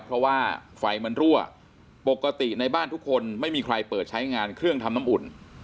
เพราะว่าไฟมันรั่วปกติในบ้านทุกคนไม่มีใครเปิดใช้งานเครื่องทำน้ำอุ่น